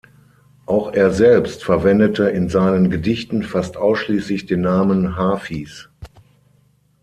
Auch er selbst verwendete in seinen Gedichten fast ausschließlich den Namen Hafis.